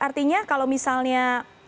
artinya kalau misalnya